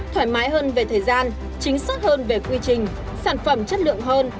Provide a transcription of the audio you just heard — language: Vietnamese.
thoải mái hơn về thời gian chính xác hơn về quy trình sản phẩm chất lượng hơn